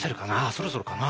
そろそろかな？